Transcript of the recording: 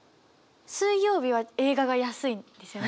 水曜日は映画が安いんですよね。